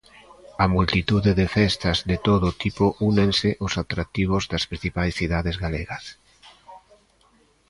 Á multitude de festas de todo tipo únense os atractivos das principais cidades galegas.